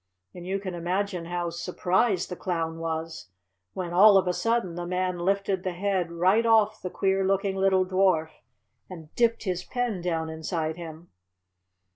And you can imagine how surprised the Clown was when, all of a sudden, the Man lifted the head right off the queer looking little dwarf and dipped his pen down inside him!